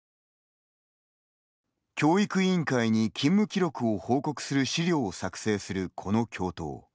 教育委員会に勤務記録を報告する資料を作成する、この教頭。